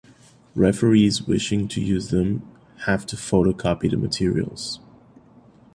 Referees wishing to use them have to photocopy the materials.